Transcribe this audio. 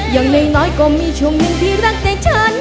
อย่างน้อยก็มีช่วงหนึ่งที่รักใจฉัน